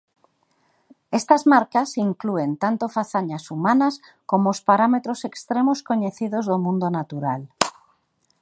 Estas marcas inclúen tanto fazañas humanas como os parámetros extremos coñecidos do mundo natural.